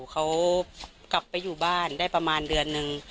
เขากลับไปอยู่บ้านได้ประมาณเดือนนึง